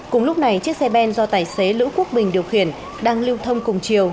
cùng lúc này chiếc xe ben do tài xế lữ quốc bình điều khiển đang lưu thông cùng chiều